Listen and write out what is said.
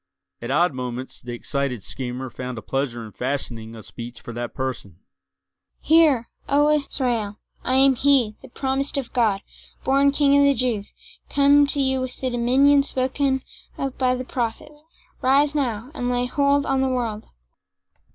At odd moments the excited schemer found a pleasure in fashioning a speech for that person: "Hear, O Israel! I am he, the promised of God, born King of the Jews—come to you with the dominion spoken of by the prophets. Rise now, and lay hold on the world!"